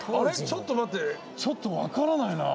ちょっと待ってちょっと分からないな